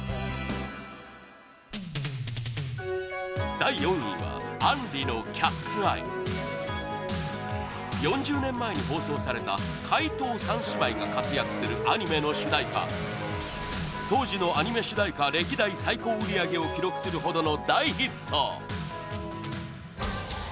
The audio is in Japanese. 第４位は杏里の「ＣＡＴ’ＳＥＹＥ」４０年前に放送された怪盗３姉妹が活躍するアニメの主題歌当時のアニメ主題歌歴代最高売り上げを記録するほどの大ヒット！